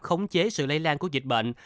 khống chế sự lây lan của dịch bệnh